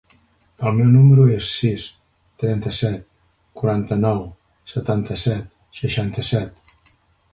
El meu número es el sis, trenta-set, quaranta-nou, setanta-set, seixanta-set.